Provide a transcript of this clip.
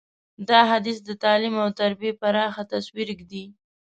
دا حدیث د تعلیم او تربیې پراخه تصویر ږدي.